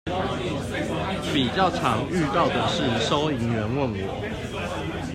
比較常遇到的是收銀員問我